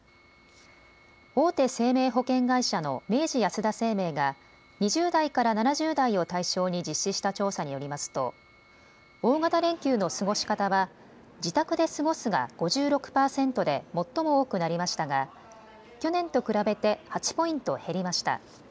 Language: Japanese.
大手生命保険会社の明治安田生命が２０代から７０代を対象に実施した調査によりますと大型連休の過ごし方は自宅で過ごすが５６％で最も多くなりましたが去年と比べて８ポイント減りました。